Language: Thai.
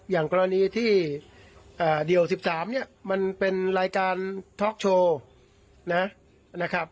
อย่างกรณีที่เดี่ยว๑๓เนี่ยมันเป็นรายการท็อกโชว์นะครับ